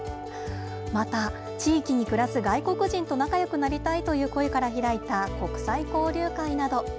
また地域に暮らす外国人と仲よくなりたいという声から開いた国際交流会など。